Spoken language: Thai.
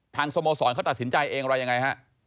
สโมสรเขาตัดสินใจเองอะไรยังไงฮะ